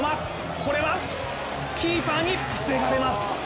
これはキーパーに防がれます。